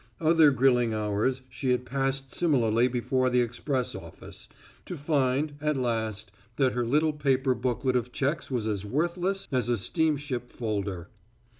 Other grilling hours she had passed similarly before the express office, to find, at last, that her little paper booklet of checks was as worthless as a steamship folder.